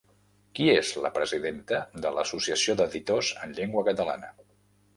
Qui és la presidenta de l'Associació d'Editors en Llengua Catalana?